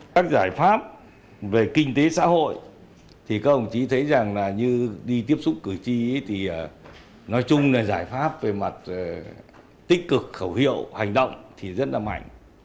các giải pháp về kinh tế xã hội thì các ông chí thấy rằng là như đi tiếp xúc cử tri thì nói chung là giải pháp về mặt tích cực khẩu hiệu hành động thì rất là mạnh